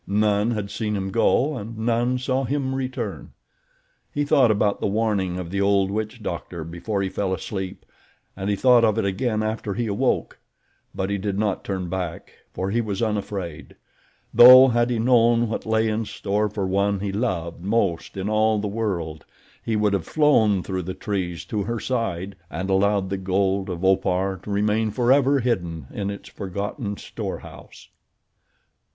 None had seen him go and none saw him return. He thought about the warning of the old witch doctor before he fell asleep and he thought of it again after he awoke; but he did not turn back for he was unafraid, though had he known what lay in store for one he loved most in all the world he would have flown through the trees to her side and allowed the gold of Opar to remain forever hidden in its forgotten storehouse.